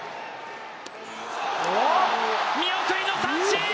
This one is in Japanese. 見送りの三振！